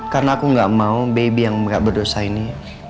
karena aku gak mau baby yang berdosa ini